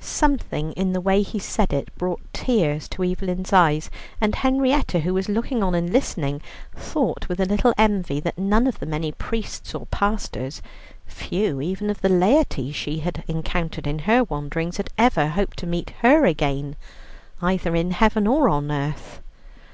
Something in the way he said it brought tears to Evelyn's eyes, and Henrietta, who was looking on and listening, thought with a little envy that none of the many priests or pastors, few even of the laity she had encountered in her wanderings, had ever hoped to meet her again either in heaven or on earth.